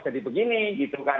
jadi begini gitu kan